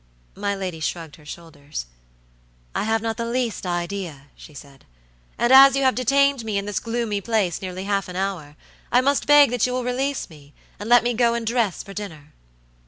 My lady shrugged her shoulders. "I have not the least idea," she said; "and as you have detained me in this gloomy place nearly half an hour, I must beg that you will release me, and let me go and dress for dinner."